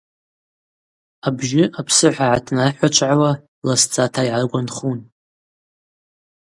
Абжьы апсыхӏва гӏатнарыхӏвачвгӏауа ласдзата йгӏаргванхун.